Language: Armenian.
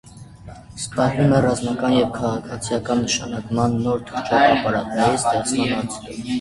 Զբաղվում է ռազմական և քաղաքացիական նշանակման նոր թռչող ապարատների ստեղծման հարցերով։